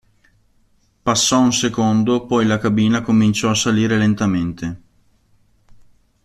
Passò un secondo, poi la cabina cominciò a salire lentamente.